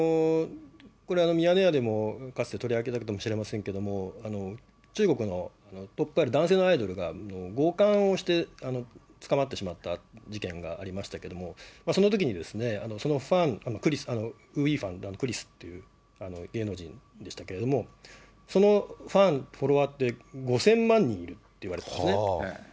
これはミヤネ屋でもかつて取り上げたかもしれませんけど、中国のトップアイドル、男性アイドルが強かんをして捕まってしまった事件がありましたけども、そのときに、そのファン、クリス、クリスという芸能人でしたけれども、そのファン、フォロワーって５０００万人いるっていわれてたんですね。